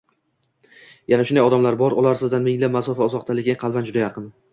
Yana shunday odamlar bor: ular sizdan minglab masofa uzoqda, lekin qalban juda yaqin.